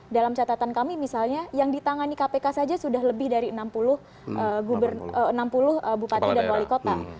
dalam catatan kami misalnya yang ditangani kpk saja sudah lebih dari enam puluh bupati dan wali kota